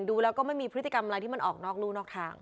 ดูแล้วก็ไม่มีพฤติกรรมอะไรที่มันออกนอกรู่นอกทาง